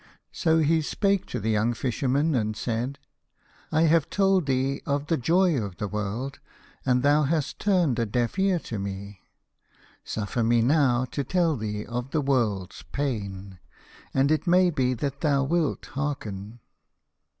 So he spake to the young Fisherman and said, " I have told thee of the joy of the world, and thou hast turned a deaf ear to me. Suffer me now to tell thee of the world's pain, and it may be that thou wilt hearken.